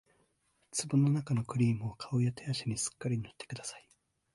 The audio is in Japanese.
壺のなかのクリームを顔や手足にすっかり塗ってください